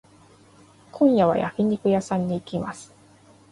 今夜は焼肉屋さんに行きます。